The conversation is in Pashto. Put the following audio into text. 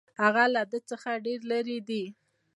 له ده څخه ډېر لرې دي.